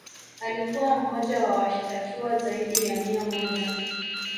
Alikuwa mmoja wa washitakiwa zaidi ya nia moja